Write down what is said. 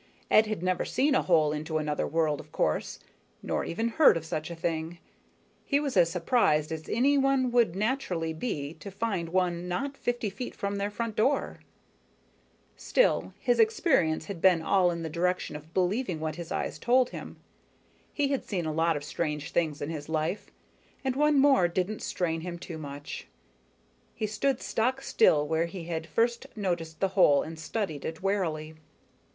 Ed had never seen a hole into another world, of course, nor even heard of such a thing. He was as surprised as any one would naturally be to find one not fifty feet from their front door. Still, his experience had been all in the direction of believing what his eyes told him. He had seen a lot of strange things in his life, and one more didn't strain him too much. He stood stockstill where he had first noticed the hole and studied it warily.